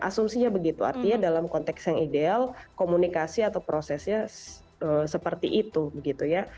asumsinya begitu artinya dalam konteks yang ideal komunikasi atau prosesnya seperti itu gitu ya